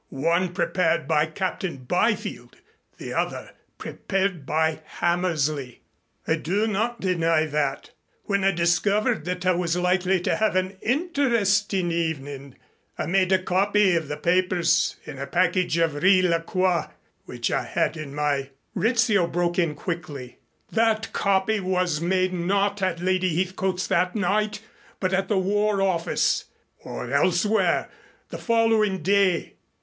One prepared by Captain Byfield the other prepared by Hammersley." "I do not deny that. When I discovered that I was likely to have an interesting evening I made a copy of the papers in a package of Riz la Croix which I had in my " Rizzio broke in quickly. "That copy was made not at Lady Heathcote's that night, but at the War Office or elsewhere the following day.